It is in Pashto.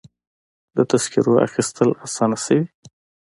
د تذکرو اخیستل اسانه شوي؟